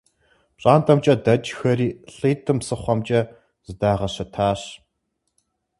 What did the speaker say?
ПщӀантӀэмкӀэ дэкӀхэри лӀитӀым псыхъуэмкӀэ зыдагъэщэтащ.